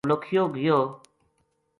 نو لکھیو گیو